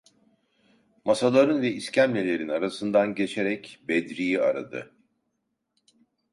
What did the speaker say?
Masaların ve iskemlelerin arasından geçerek Bedri’yi aradı.